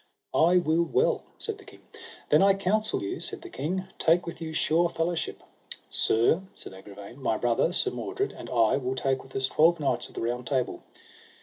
I will well, said the king; then I counsel you, said the king, take with you sure fellowship. Sir, said Agravaine, my brother, Sir Mordred, and I, will take with us twelve knights of the Round Table.